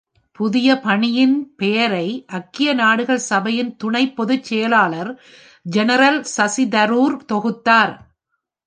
புதிய பணியின் பெயரை ஐக்கிய நாடுகள் சபையின் துணை-பொதுச்செயலாளர் ஜெனரல் சசி தரூர் தொகுத்தார்.